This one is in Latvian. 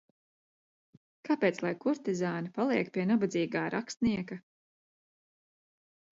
Kāpēc lai kurtizāne paliek pie nabadzīgā rakstnieka?